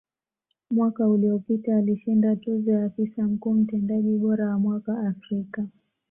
Mwaka uliopita alishinda tuzo ya Afisa Mkuu Mtendaji bora wa Mwaka Afrika